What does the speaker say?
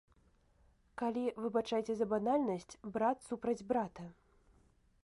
Калі, выбачайце за банальнасць, брат супраць брата.